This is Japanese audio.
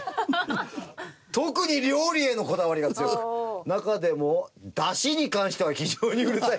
「特に料理へのこだわりが強く中でも出汁に関しては非常にうるさい模様」